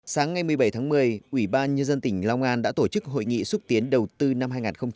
sáng ngày một mươi bảy tháng một mươi ủy ban nhân dân tỉnh long an đã tổ chức hội nghị xúc tiến đầu tư năm hai nghìn hai mươi